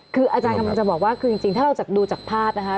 คืออาจารย์กำลังจะบอกว่าคือจริงถ้าเราดูจากภาพนะคะ